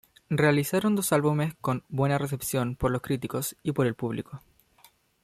Realizaron dos álbumes con buena recepción por los críticos y por el público.